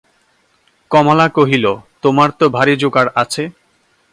কমলা কহিল, তোমার তো ভারি জোগাড় আছে!